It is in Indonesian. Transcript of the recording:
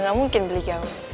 gak mungkin beli kiamu